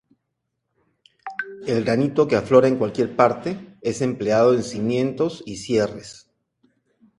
El granito, que aflora en cualquier parte, es empleado en cimientos y cierres.